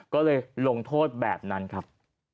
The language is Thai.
ก็เลยลงโทษแบบนั้นครับ